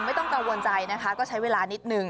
ไม่ต้องกังวลใจนะคะก็ใช้เวลานิดนึง